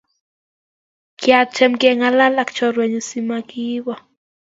kiatem kengalal ak chorwenyu simakiibo